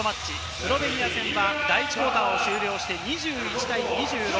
スロベニア戦は第１クオーターを終了して、２１対２６。